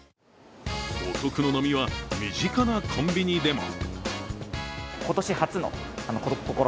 お得の波は、身近なコンビニでも。